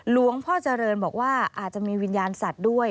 หลวงพ่อเจริญบอกว่าอาจจะมีวิญญาณสัตว์ด้วย